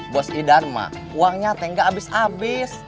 bos idan mah uangnya teh nggak habis habis